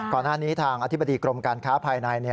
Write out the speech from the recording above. ก่อนหน้านี้ทางอธิบดีกรมการค้าภายใน